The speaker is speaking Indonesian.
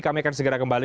kami akan segera kembali